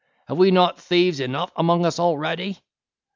Have we not thieves enow among us already?"